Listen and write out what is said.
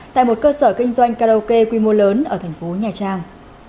tại một cơ sở kinh doanh karaoke quy mô lớn ở thành phố nhà trang